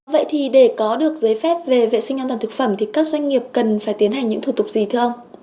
vậy thì để có được giấy phép về vệ sinh an toàn thực phẩm thì các doanh nghiệp cần phải tiến hành những thủ tục gì thưa ông